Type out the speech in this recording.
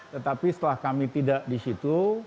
tetapi setelah kami tidak di situ